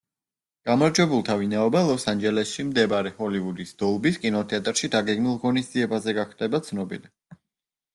გამარჯვებულთა ვინაობა ლოს-ანჯელესში მდებარე, ჰოლივუდის „დოლბის“ კინოთეატრში დაგეგმილ ღონისძიებაზე გახდება ცნობილი.